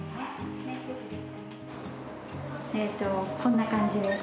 えっとこんな感じです。